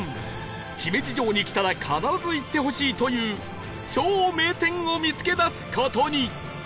姫路城に来たら必ず行ってほしいという超名店を見つけ出す事に